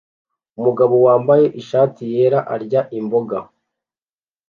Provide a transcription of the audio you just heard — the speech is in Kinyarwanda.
Umugabo wambaye ishati yera arya imboga